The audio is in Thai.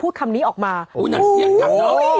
หลากหลายรอดอย่างเดียว